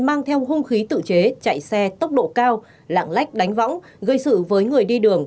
mang theo hung khí tự chế chạy xe tốc độ cao lạng lách đánh võng gây sự với người đi đường